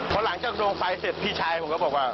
พอหลังจากดวงไฟเสร็จพี่ชายผมก็บอกว่า